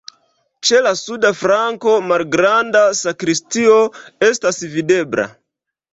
Ĉe la suda flanko malgranda sakristio estas videbla.